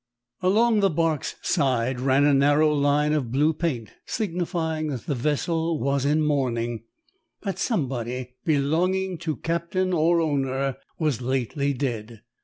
Along the barque's side ran a narrow line of blue paint, signifying that the vessel was in mourning, that somebody belonging to captain or owner was lately dead.